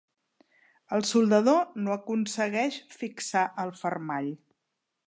El soldador no aconsegueix fixar el fermall.